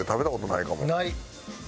ない！